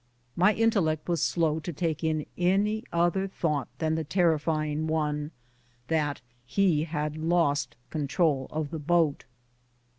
My intellect was slow to take in any other thought than the terrifying one — that he had lost control of the boat.